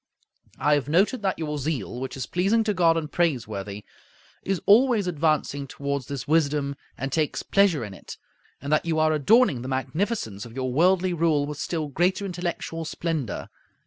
I have noted that your zeal, which is pleasing to God and praiseworthy, is always advancing toward this wisdom and takes pleasure in it, and that you are adorning the magnificence of your worldly rule with still greater intellectual splendor.